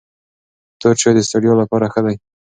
تور چای د ستړیا لپاره ښه دی.